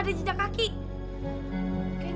saya menghargai wang ini